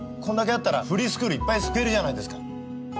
これだけあったらフリースクールいっぱい救えるじゃないですか！